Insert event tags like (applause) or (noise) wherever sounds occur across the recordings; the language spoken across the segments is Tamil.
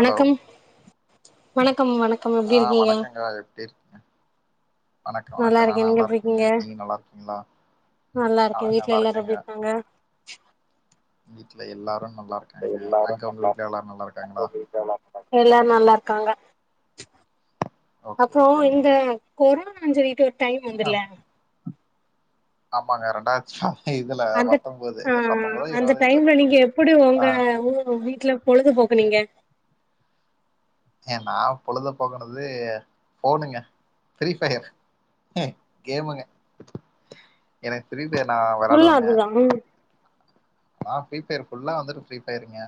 ஹலோ வண க்கம் வணக்கமா ஆ எப்டி இருக்கீங்க வணக்க நல்லா வணக்கொ நா இருக்கே நல்லாருக்கங்க நீங்க நல்லாருக்கீங்ளா நல்லாருக்கே வீட்ல எல்லாரு எப்டிருக்காங்க வீட்ல எல்லாரு நல்லா இருக்காங்க அங்க உங்க வீட்ல எல்லாரு நல்லா இருக்காங்களா எல்லாரு நல்லார்க்காங்க ஓகே அப்றோ ஓகேங்க இந்த கொரோனான் சொல்லிட்டு ஒ டைம் ஆ வந்துர்ல ஆமாங்க ரெண்டாய்ச் ஆ இதுல பத்தொன்போ அ அந்த டைம்ல நீங்க எப்புடி ஆ ஒங்க (unintelligible) வீட்ல பொழுதுபோக்குனீங்க எ நா பொழுத போக்குனது ஃபோனுங்க ஃப்ரீ ஃபயர் ம் கேமுங்க எனக் ஃப்ரீ ஃபயர் நா ஃபுல்லா வெளையாடுவுங்க அதுதா ஆ ஃப்ரீ ஃபயர் ஃபுல்லா வந்துட்டு ஃப்ரீ ஃபயருங்க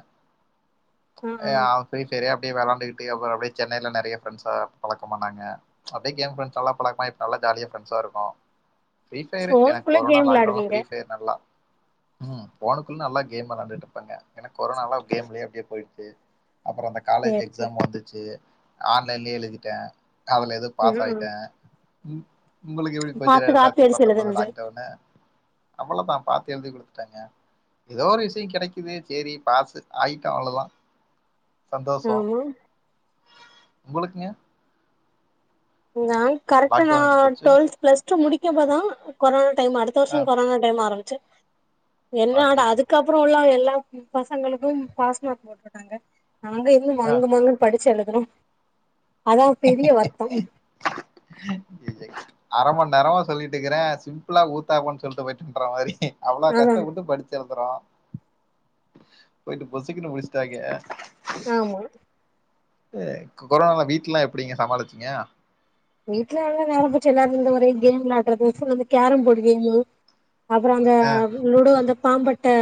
ஆ யா ஃப்ரி ஃபயர்யே ப்டே வெளாண்டுகிட்டு அப்புறோ அப்டே சென்னைல நறைய ஃபிரண்ட்ஸா பழக்கமானாங்க அப்டே கேம் ஃபிரண்ட்ஸ் எல்லா பழக்மாயி நல்லா ஜாலியா ஃபிரெண்ஸாருக்கு ஃப்ரி ஃபயரு எனக் ஃபோனுக்குள்ள கொரோனா கேம் லாக்டவுன்ல விளாடுவீங்க ஃப்ரி ஃபயர் நல்லா ம் ஃபோனுக்குள் நல்லா கேம் வெளாண்டுட்ருப்பங்க எனக் கொரோனால்லா கேம்லியே அப்டியே போயிட்ச்சு அப்புறோ அந்த சேரி காலேஜ் சேரி எக்ஸாம் வந்துச்சு ஆன்லைன்லியே எழுதிட்டே அதுல எது பாஸ் ம் ஆயிட்டே உங்குளுக்கு எப்டி போச்சு பாத்து காப்பி ரெண்டாயிரத்தி அடிச்சு பத்தொன்பது எழுதுனது லாக்டவுனு அவ்வளதா பாத்து எழுதி குடுத்துட்டங்க எதோ ஒரு விஷியோ கெடைக்குது சேரி பாசு ஆய்ட்டோ அவ்ளதா ஆமா உங்ளுக்ங்க நான் கரெக்ட்டா நா லாக்டவுன் எப்டி போச்சு? டுவெல்த் பிளஸ் டூ முடிக்கப்பதா கொரானா டைம் அடுத்த வர்ஷோ அ கொரோனா டைம் ஆரமிச்சு என்னாட அய்யய்யோ அதுக்கப்புறோ உள்ள எல்லா (unintelligible) பசங்களுக்கும் பாஸ்மார்க் போட்ருக்காங்க நாங்க எங்க அ மாங்கு மாங்குன் படிச்சு எழு துனோ அதா பெரிய வருத்தோ ம் அரமண்நேரமா சொல்லிட்டுக்கறே சிம்பிளா ஊத்தாப்பன் சொல்ட்டு போயிட்டன்ற மாரி அவ்ளோ அதா கஷ்டப்பட்டு படிச்சி எழுதுறோ போய்ட்டு பொசுக்குனு முடிச்டாய்ங்க ஆமா அ கொரோனால வீட்லா எப்டிங்க சமாளிச்சிங்க வீட்ல என்ன நடந்திச்சி எல்லாரு இந்த மாரியே கேம் விளாட்றது ஃபுல் இந்த கேரம் போடு கேமு அப்றோ அந்த ஆ லுடோ அந்த பாம்பட்ட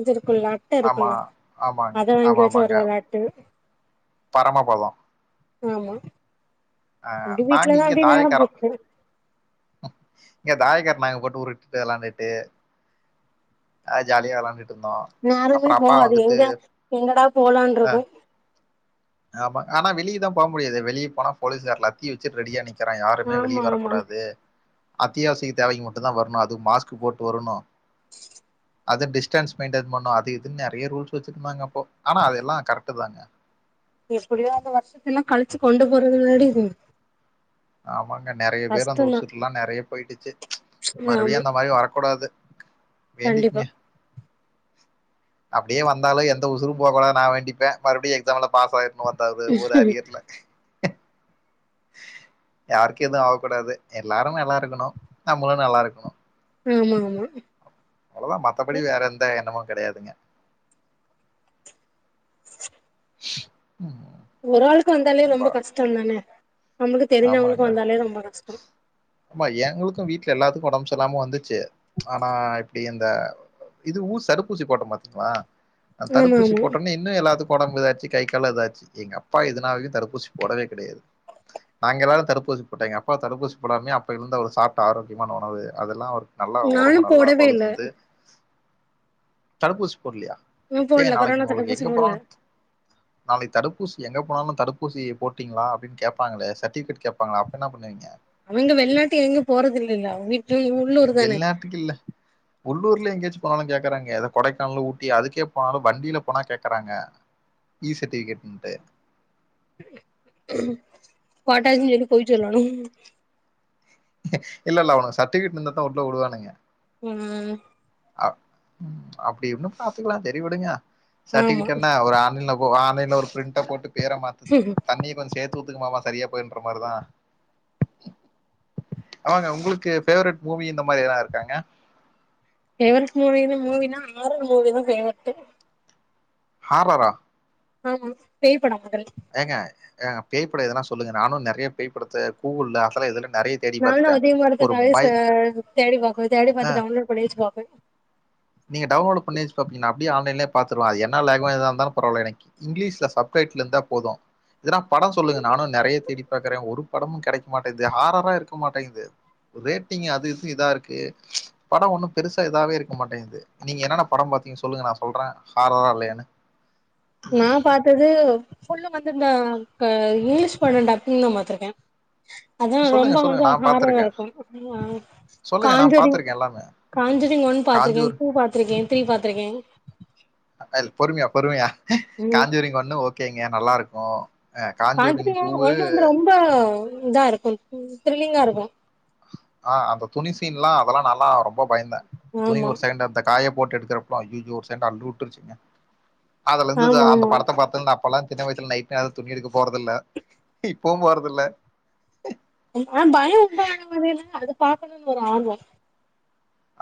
இதுர் க்குல்ல அட்ட ஆமா இருக்குல்ல ஆமாங்க அத வாங்கி ஆமா வெச்சு ஒரு ஆமாங்க வெளாட்டு பரமபதோ ஆமா அ அப்டி நாங்க வீட்லதா இங்க அப்டியே நேரம் தாயக்கரோ போச்சு இங்க தாயக்கர் நாங்க போட்டு உருட்டுட்டு வெளாண்டுட்டு அ ஜாலியா வெளாண்டுட் இருந்தோ நேரமே அப்புரோ அப்பா போகாது வந்துட்டு எங்க எங்கடா போலான்னு அ இருக்கு ஆமா ஆனா வெளியதா போ முடியாது வெளியே போனா போலீஸார்ல லத்தி வச்சி ரெடியா நி நிக்கிறா யாருமே ஆமா வெளிய ஆமா வரக்கூடாது அத்தியாவசிய தேவைக் மட்டு தா வரணு அதுவு மாஸ்க் போட்டு வரணு அது டிஸ்டன்ஸ் மெயின்டெயன் பண்ணு அது இதுன்னு நறைய ரூல்ஸ் வச்சிருந்தாங்க அப்போ ஆனா அதெல்லா கரெக்ட் தாங்க எப்டியோ அந்த வருஷத்துல்லா கழிச்சி கொண்டு போறது முன்னாடி இரு ஆம் வாங்க நறைய பேர் அந்த உசுருலா நறைய போயிட்டுச்சி ஆமா மறுபடியு அந்த மாரி வரக்கூடாது கண்டிப்பா வேண்டிக்கிங்க அப்டியே வந்தாலு எந்த உசுறு போக கூடாது நா வேண்டிப்ப மறுபடியு எக்ஸாம்ல பாஸ் ஆயிரு ! ! ! ! ! ! ! ! ! ! யாருக்கு எது ஆகக்கூடாது எல்லாரு நல்லா இருக்கணு நம்மளு நல்லா இருக்கணோ ஆமா ஆமா அவ்ளோ தா மத்தபடி வேற எந்த எண்ணமு கடையாதுங்க ஒரு ஆளுக்கு வந்தாலே வ ரொம்ப கஷ்டோ தானே நம்மளுக்கு ஆமாங்க. தெரிஞ்சவுங்களுக்கு வந்தாலே ரொம்ப கஷ்டோ ஆமா எங்களுக்கு வீட்ல எல்லாத்துக்கு ஒடம்புச் செரியில்லாம வந்துச்சு ஆனா இப்டி எ இத இது ஊச தடுப்பூசி போட்ட பாத்திங்களா அ ஆமா தடுப்பூசி ஆமா போட்டோணே இன்னு எல்லாத்து ஒடம்பு இதாச்சி கை கால்ல இதாச்சு எங்க அப்பா எதுனாயு தடுப்பூசி போடவே கிடையாது நாங்க எல்லாரு தடுப்பூசி போட்டோங்க அப்பா தடுப்பூசி போடாமே அப்பெல இருந்து அவர் சாப்ட்ட ஆரோகியமான உணவு அதெல்லா அவுரு நல்லா ஒடம்ப நானும் நல்லா போடவே இல்ல வழுத்துத்து தடுப்பூசி போட்லியா நா ஏ போடல நாளைக்கு கொரோனா உங்களுக்கு தடுப்பூசி எங்க போடல போனாலு நாளைக்கு தடுப்பூசி எங்க போனாலு தடுப்பூசி போட்டிங்களா அப்டி கேப்பாங்களே சர்டிபிகேட் கேப்பாங்களே அப்ப என்ன பன்னுவிங்க அவிங்க வெளிநாட்டு எங்க போறது இல்லல்ல வீட்ல உள்ளூர் தான வெளிநாட்டுக்கு இல்ல உள்ளூர்ல எங்கேயாச்சு போனாலு கேக்குறாங்க யத கொடைக்கானல் ஊட்டி அதுக்கே போனாலு வண்டியில போனா கேக்கறாங்க ஈ சர்டிபிகேட்ன்டு போட்டாச்சின் சொல்லி பொய் சொல்லணு இல்ல இல்ல ஒனக்கு சர்டிபிகேட் இருந்தா தா உள்ள வுடுவானுங்க ம் அ அப்டி இன்னு பாத்துக்கலா செரி விடுங்க ஆ ஆமா சர்டிபிகேட்னா ஒரு ஆன்லைன்ல போ வாங் ஆன்லைன்ல ஒரு பிரிண்ட்ட போட்டு பெர மாத்து தண்ணி கொஞ்சோ சேர்த்து தூத்துக்குமாமமா சரியா போயன்ற மாரிதா ஆமாங்க ஒங்களுக்கு ஃபேவரெட் மூவி இந்த மாரி எதா இருக்காங்க ஃபேவரெட் மூவினா ஹாரர் மூவினா தா ஃபேவரெட் ஹாரர்ரா ஆமா பேய் படோ மொதல் ஏங்க பேய்படோ எதுனா சொல்லுங்க நானு நறைய பேய்படத்த கூகுள்ள அதெல எதுல நானு அதேமரத்துக்காகவே ச தேடி பாப்போ தேடி ஆ பாத்து டவுன்லோடு பண்ணி பன்னிச்சி பாப்பே பாத்ருலா அது என்ன லாங்குவெஜ்தானாலு பரவால்ல எனக்கு இங்கிலீஷ்ல சப்டைட்டில் இருந்தா போதும் எதுனா படம் சொல்லுங்க நானு நறைய தேடி பாக்றே ஒரு படமு கடைக்க மாட்டேங்குது ஹாரர்ரா இருக்க மாட்டேங் து ரேட்டிங் அது இது இதா இருக்கு படம் ஒன்னு பெருசா இதாவே இருக்க மாட்டேங் து நீங்க என்னென்ன படம் பாத்தீங்க சொல்லுங்க நா சொல்றேன் ஹாரர்ரா இல்லையான்னு நா பாத்தது ஃபுல்லா வந்து இந்த இங்கிலீஷ் படம் டப்பிங் தா பாத்திருக்கேன் அதா ரொம்ப சொல்லுங்க சொல்லுங்க கொஞ்சொ நான் ஹாரர்ரா பாத்திருக்கேன் இருக்கும் ஆ சொல்லுங்க நான் காஞ்சோரி பாத்திருக்கேன் எல்லாமே காஞ்சரிங் ஒன் பாத்துருக்கே காஞ்சூர் டூ பாத்துருக்கே த்ரீ பாத்துருக்கே பொறுமையா பொறுமையா ம் காஞ்சூரிங் ஒண்ணு ஓகேங்க நல்லா இருக்கும் காஞ்சூரிங் பார்த்துட்டீங்ளா டூவு ஒண்ணு வந்து ரொம்ப இதா இருக்கும் தி த்ரில்லிங்கா இருக்கும் ஆ அந்த துணி சீன் எல்லாம் அதெல்லாம் நல்லா ரொம்ப பயந்தேன் துணி ஆமா ஒரு செகண்ட் அந்த காய போட்டு எடுத்தப்ப அய்யயோ அல்லு விட்டுச்சுங்க அதுல இருந்து ஆமா அந்த ஆமா படத்த பாத்து நா அப்பல்லா சின்ன வயசுல நைட் நேரோ துணி எடுக்க போறதில்ல இப்பவு போறதில்ல ஒன் ஆன் பயம் உண்டான வகைல அது பாக்கணுனு ஒரு ஆர்வோ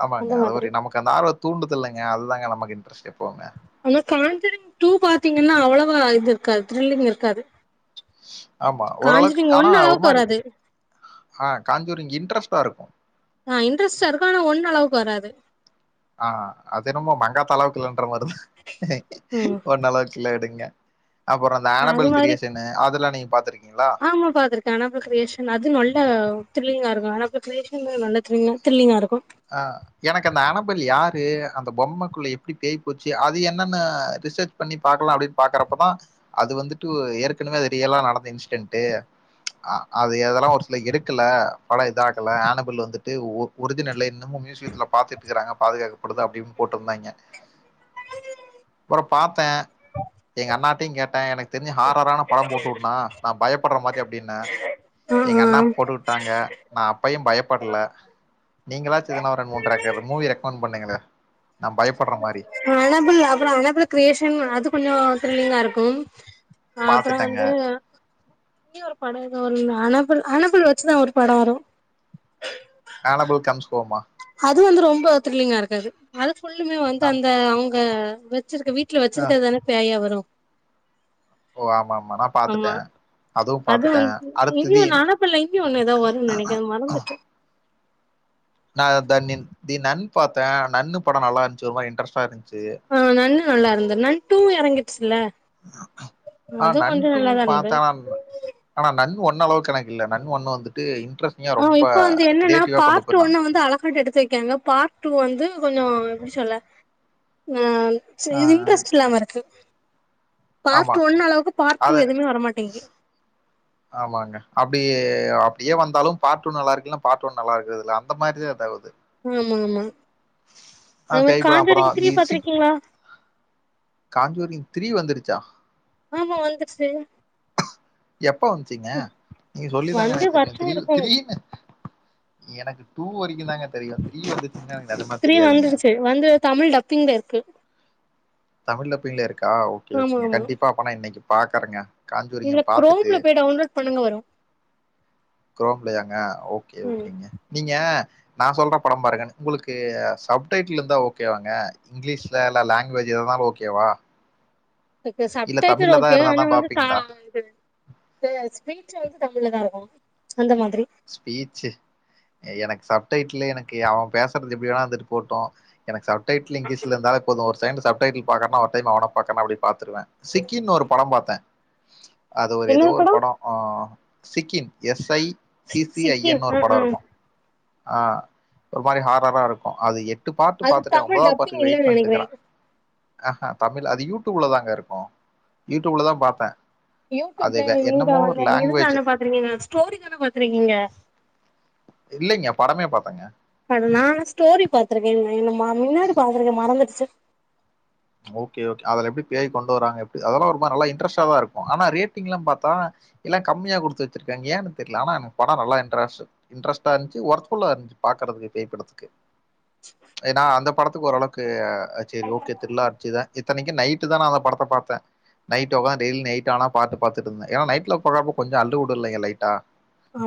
ஆமாங்க அந்த அது மாதிரி ஒரு நமக்கு அந்த ஆர்வத் தூண்டுதுல்லங்க அதுதாங்க நமக்கு இன்ட்ரெஸ்ட் எப்பவுமே ஆனா காஞ்சூரிங் டூ பாத்தீங்கன்னா அவ்வளவா இது இருக்காது த்ரில்லிங் இருக்காது. ஆமா ஓரளவுக் காஞ்சரிங் ஒன் ஆனா ஒரு அளவுக்கு மாரி வராது ஆ காஞ்சூரின் இன் ன்ட்ரெஸ்டா இருக்கு ஆ இன்ட்ரெஸ்ட்டா இருக்கு ஆனா ஒன் அளவுக்கு வராது. ஆ அது என்னமோ மங்காத்த அளவுக்கில்லன்ற மாதிரிதா ஒன் அளவுக்குள்ள எடுங்க அ அது மாரி அதெல்லாம் நீங்க பார்த்துருக்கீங்களா? ஆமா பாத்துருக்கே அனாபல் கிரியேஷன் அது நல்ல திரில்லிங்கா இருக் அனாபல் கிர்யேஷன் நல்ல திரில்லா திரில்லிங்கா இருக்கு ஆ எனக்கு அந்த அனபல் யாரு அந்த பொம்மக்குள்ள எப்டி பேய் போச்சு அது என்னன்னு ரிசர்ச் பண்ணி பாக்கலா அப்டின் பாக்குறப்பதா அது வந்துட்டு ஏற்கனவே அது ரியலா நடந்த இன்சிடென்ட் அ அது எதெல்லா ஒரு சில எடுக்கல படோ இதாகல ஆனபில் வந்துட்டு ஒ ஒரிஜினலே இன்னமு மியூசியத்துல பாத்துட்டு இருக்கறாங்க பாதுகாக்கப்படுது அப்டின்னு போட்டுருந்தாங்கே. பெறோ பாத்த எங்க அண்ணாட்டயு கேட்ட எனக்கு தெரிஞ்சு ஹாரரான படம் போட்டு வுடுனா நா பயப்படுற மாதிரி அப்டின்னே ஆ எங்க ஆ அண்ணா போட்டுவுட்டாங்க நா அப்பயும் பயப்படல நீங்களாச் எதனா ஒரு ரெண்டு மூனு ரெக்கர் மூவி ரெக்கமண்ட் பண்ணுங்கள அனபுல் அப்பறோ அனபுல் கிரியேஷன் அது கொஞ்சோ திரில்லிங்கா இருக்கும் ஆ அப்பறோ பாத்துட்டேங்க வந்து இனி ஒரு படொ எதோ ஒன்னு அனபுல் அனபுல் வச்சுதா ஒரு படொ வரு ஆனபிள் கம்ஸ் ஹோமா அது வந்து ரொம்ப த்ரில்லிங்கா இருக்காது அது ஃபுல்லுமே வந்து நா அந்த அவங்க வெத் வெச்சிருக்க வீட்ல ஆ வெச்சிருக்கதுதானே பேயா வரு ஓ ஆமா ஆமா நா பாத்துட்ட ஆமா அதுவும் அது பாத்துட்ட வந்து இனியு அடுத்தது ஒன்னு என் அனாபிள்ல இனியு ஒன்னு ஏதோ வரும்னு நெனைக்கிறே மறந்துட்டே நா த நின் தி நன் பாத்த நன்னு படொ நல்லா இருந்ச்சு ஒரு மாரி இன்ட்ரெஸ்டா இருந்து ஆ நன்னு நல்லா இருந்த நன் டூ எறங்கிட்ச்சுல்ல. ஆ நன் டூ இருந்தது பாத்த ஆனா ஆனா நன் ஒன் அளவுக்குலா இ இல்ல நன் ஒன் வந்துட்டு இன்ட்ரெஸ்ட்டிங்கா ஆ ரொம்ப இப்ப வந்து என்னன்னா கிரியேட்டிவா கொண்டு பார்ட் போய்ர்ந்தாங் ஒன்ன வந்து அழகாட்டு எடுத்து வைக்காங்க பார்ட் டூ வந்து கொஞ்சொ எப்டி சொல்ல நன் சி ஆ இது இன்ட்ரெஸ்ட் இல்லாம இருக்கு பார்ட் ஆமா ஒன் அளவுக்கு பார்ட் டூ அது எதுவுமே வரமாட்டேங்கு ஆமாங்க அப்டி அப்டியே வந்தாலும் பார்ட் டூ நல்லா இருக்கு இல்லனா பார்ட் ஒன் நல்லா இருக்குறதுல்ல அந்த மாதிரிதாத வருது ஆமா ஆமா அ அத மாரி பேய் படம் அப்புறம் காஞ்சுரிங் த்ரி தி சிக் பாத்துருக்கீங்களா? காஞ்சூரிங் திரி வந்துருச்சா? ஆமா வந்துருச்சே எப்ப வந்துச்சுங்க நீங்க சொல்லி தாங்க வந்து எனக் தெரியு வருஷோ த்ரியு இருக்கு த்ரினூ எனக்கு டூ வரைக்குந்தாங்க த்ரியு வந்துருச்சு வந்து தமிழ் டப்பிங்ல இருக்கு. தமிழ்ல பீங்ள இருக்கா ஓகே ஆமா ஓகேங்க ஆமா கண்டிப்பா அப்பனா இன்னைக்கு பாக்கறங்க. காஞ்சூரிங்க இதுல பாத்துட்டு குரோம்ல போய் டவுன்லோட் பண்ணுங்க வரு க்ரோம்லையாங்க ஓகே ம் ஓகேங்க நீங்க நா சொல்ற படம் பாருங்க உங்களுக்கு சப்டைட்டில் இருந்தா ஓகேவாங்க இங்கிலீஷ்லல்ல லாங்குவேஜ் எதுனாலு ஓகேவா துக்கு சப் இல்ல டைட்டில் தமிழ்ல தான் ஓகே இருந்தா ஆனா தான் வந்து கா பாப்பீங்களா? இது இது ஸ்பீச் வந்து தமிழ்லதா இருக்கு அந்த மாதிரி ஸ்பீச்சு எனக் சப்டைட்டிலு எனக்கு அவன் பேசுறது எப்டி வேணா இருந்துட்டு போட்டு எனக்கு சப் டைட்டில் இங்கிஷ்ல இருந்தாலே போது ஒரு செகண்ட் சப் டைட்டில் பாக்கறனா ஒரு டைம் அவன பாக்கறனா அப்டின் பாத்துருவ சிக்கின்னு ஒரு படோ பாத்த அது ஒரு எதோ ஒரு படோ அ சிக்கின் S I C C I Sikkim என் ஒரு ஆ படோ ஆ இருக்கு அ ஒரு மாரி ஹாரரா இருக்கு அது எப் எட்டு பார்ட்டு அது பாத்துட்ட தமிழ் ஒன்பதாவது டப்பிங் பார்ட்டுல ஹிட் இல்லன்னு நெனைக்கிறே பண்ணட்டுக்குறா ஹஹா தமிழ் அது யூடியூப்ல தாங்க இருக்கு யூடியூப்ல தா பாத்த யூடியூப்ல நீங்க வந்த இதுதான பாத்துருக்கீங்க ஸ்டோரி தான பாத்துருக்கீங்க இல்லைங்க படமே பாத்தங்க ட நானு ஸ்டோரி பாத்து இருக்கேன் என்ன மா முன்னாடி பாத்து இருக்கேன் மறந்துடுச்சு ஓகே ஓகே அதுல எப்டி பேய் கொண்டு வராங்க எப்டி அதல்லா ஒரு மாரி இன்ரெஸ்ட்டாதா இருக்கு ஆனா ரேட்டிங்லா பாத்தா எல் லா கம்மியா குடுத்து வச்சிருக்காங்க ஏனு தெரியல ஆனா நா படோ நல்லா இன்டரஸ் இன்ரெஸ்ட்டா இருந்துச்சு ஒர்த் புள்ளா இருந்துச்சு பாக்கற ஒரு பேய் படத்துக்கு ஏன்னா அந்த படத்துக்கு ஓரளவுக்கு ஹச் சேரி ஓகே தில்லா அர்ச்சி தா இத்தனைக்கு நைட்டு தா நா அந்த படத்த பாத்த நைட் உக்காந்து டெய்லி நைட் ஆனா பார்ட் பாத்துட்டு இருந்தே ஏன்னா நைட்ல பாக்குறப்போ கொஞ்சோ அல்லு உடும் இல்லைங்க லைட்டா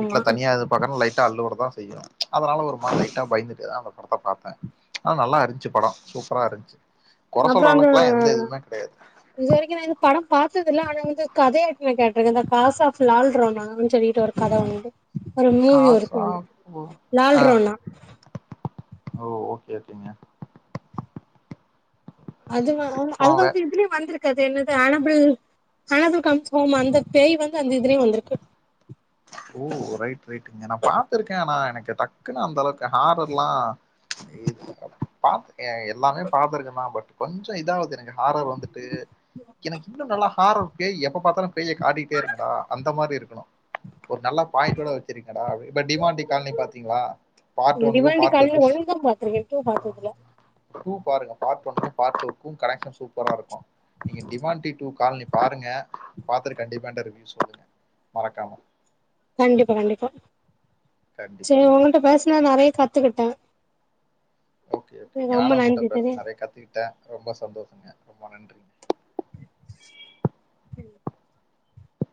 வீட்டுல தனியா இது பாக்கறனா லைட்டா அள்ளு உடும் தா செய்யும் அதனால ஒரு மாரி லைட்டா பயந்துட்டு தான் அந்த படத்த பாத்த ஆனா நல்லா இருந்துச்சு படோ சூப்பரா இருந்துச்சு கொற அப்புறோ சொல்ற அங்க அளவுக்குலாம் எந்த இதுவுமே கிடையாது. இது வரைக்கு நா இந்த படம் பாத் து இல்ல ஆனா வந்து கதையா கேட்ருக இந்த காஸ் ஆப் லால்ராவுனானு சொல்லிட்டு ஒரு கதை வந்து ஒரு மூவி காசா இருக்கும் அங்க ஓ லால் ஆ ரோனா ஓ ஓகே ஒகேங்க அதுனா ஆமா அதுதா வே திருப்பியு வந்துரு அது என்னது அனபல் அனபல் கம்ஸ் ஹோம் அந்த பேய் வந்து அந்த இதுலயும் வந்திருக்கு ஓ ரைட் ரைட்ங்க நான் பாத்து இருக்கேன் ஆனா எனக்கு டக்குன்னு அந்தளவுக்கு ஹாரர்லா இது பாத் எ எல்லாமே பாத்துருக்கான்தா பட் கொஞ்சோ இதாவது எனக்கு ஹாரர் வந்துட்டு எனக்கு இன்னு நல்லா ஹாரர் பேய் எப்ப பாத்தாலும் பேய காட்டிட்டே இருங்கறா அந்த மாரி இருக்கணும் ஒரு நல்ல பாயிண்டோட வச்சிருக்கீங்கடா இப்ப டிமாண்டி காலனி பாத்தீங்ளா டிமாண்டி காலினி ஒன்னு தா பாத்துருகேன் டூ பாத்தது இல்ல டூ பாருங்க பார்ட் ஒன்னுக்கு பார்ட் டூக்கும் கனெக்ஷன் சூப்பரா இருக்கும் நீங்க டிமாண்டி டூ கால்னி பாருங்க பாத்துட்டு கண்டிப்பா என்ட ரிவியூ சொல்லுங்க மறக்காம கண்டிப்பா கண்டிப்பா செரி கண்டிப்பாங்க. உங்கள்ட்ட பேசனா நெறைய கத்துக்கிட்ட ஓகே ஓகே ஞானும் உங்ககிட்ட பேசனதுல நெறைய கத்துக்கிட்ட ரொம்ப சந்தோஷங்க ரொம்ப நன்றி (unintelligible)